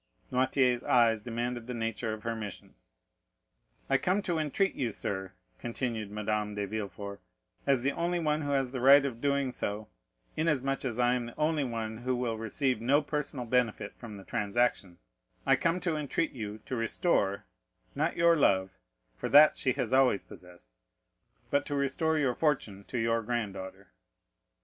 Noirtier's eyes demanded the nature of her mission. "I come to entreat you, sir," continued Madame de Villefort, "as the only one who has the right of doing so, inasmuch as I am the only one who will receive no personal benefit from the transaction,—I come to entreat you to restore, not your love, for that she has always possessed, but to restore your fortune to your granddaughter."